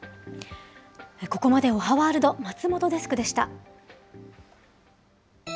ここまでおはワールド、松本デスクでした。